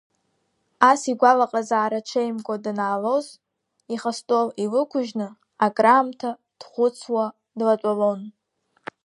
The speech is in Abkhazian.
Ас игәалаҟазаара ҽеимкәа данаалоз, ихы астол илықәыжьны, акраамҭа, дхәыцуа, длатәалон.